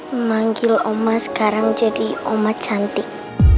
memanggil oma sekarang jadi umat cantik